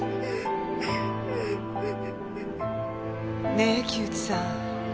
ねえ木内さん。